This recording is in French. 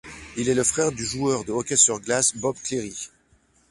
Il est le frère du joueur de hockey sur glace Bob Cleary.